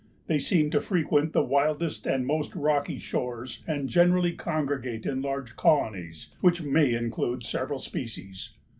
They seem to frequent the wildest and most rocky shores and generally congregate in large colonies which may include several species.